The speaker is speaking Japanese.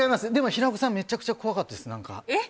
平子さん、めちゃくちゃ怖かったです、何か。